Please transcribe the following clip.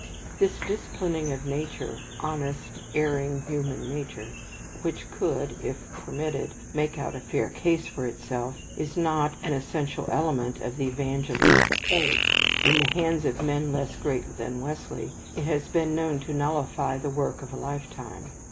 This disciplining of nature, honest, erring human nature, which could, if permitted, make out a fair case for itself, is not an essential element of the evangelist's code. In the hands of men less great than Wesley, it has been known to nullify the work of a lifetime.